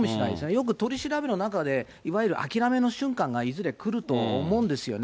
よく取り調べの中で、いわゆる諦めの瞬間がいずれ来ると思うんですよね。